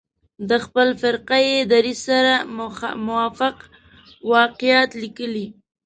د خپل فرقه يي دریځ سره موافق واقعات لیکلي.